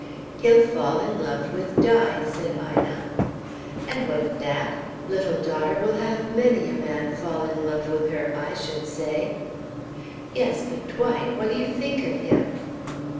"He'll fall in love with Di," said Ina. "And what of that? Little daughter will have many a man fall in love with her, I should say." "Yes, but, Dwight, what do you think of him?"